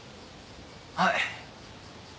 はい。